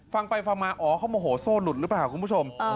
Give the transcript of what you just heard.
ฟังไปฟังมาอ๋อเขาโมโหโซ่หลุดหรือเปล่าคุณผู้ชม